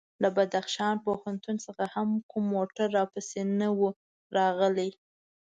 له بدخشان پوهنتون څخه هم کوم موټر راپسې نه و راغلی.